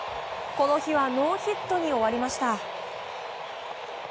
この日はノーヒットに終わりました。